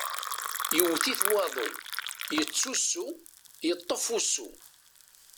Yewwet-it waḍu, yettusu, yeṭṭef ussu.